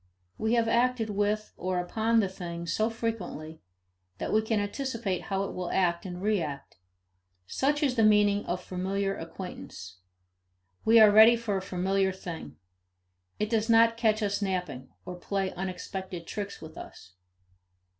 We have acted with or upon the thing so frequently that we can anticipate how it will act and react such is the meaning of familiar acquaintance. We are ready for a familiar thing; it does not catch us napping, or play unexpected tricks with us.